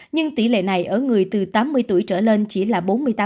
nhưng tỷ lệ này ở người từ tám mươi tuổi trở lên chỉ là bốn mươi tám